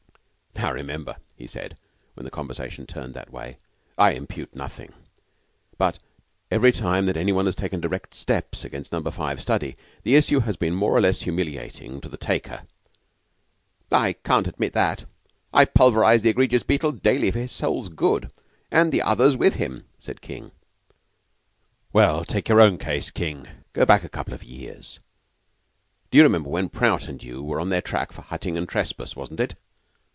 "Now remember," he said, when the conversation turned that way, "I impute nothing. But every time that any one has taken direct steps against Number Five study, the issue has been more or less humiliating to the taker." "I can't admit that. I pulverize the egregious Beetle daily for his soul's good; and the others with him," said King. "Well, take your own case, King, and go back a couple of years. Do you remember when Prout and you were on their track for hutting and trespass, wasn't it?